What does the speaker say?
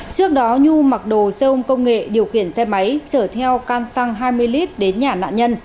trước đó nhu mặc đồ xe ôm công nghệ điều khiển xe máy chở theo can xăng hai mươi lit đến nhà nạn nhân